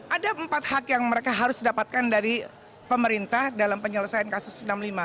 ada empat hak yang mereka harus dapatkan dari pemerintah dalam penyelesaian kasus enam puluh lima